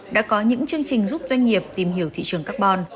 đã có những chương trình giúp doanh nghiệp tìm hiểu thị trường carbon